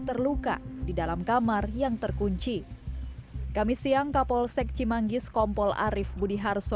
terluka di dalam kamar yang terkunci kamis siang kapol sek cimanggis kompol arief budiharso